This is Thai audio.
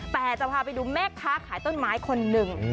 แต่จะพาไปดูแม่ค้าขายต้นไม้คนหนึ่ง